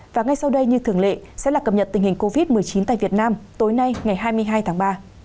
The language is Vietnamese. và ngay sau đây như thường lệ sẽ là cập nhật tình hình covid một mươi chín tại việt nam tối nay ngày hai mươi hai tháng ba